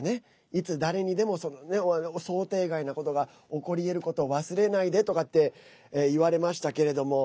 いつ誰にでも、想定外なことが起こりえることを忘れないでとかって言われましたけれども。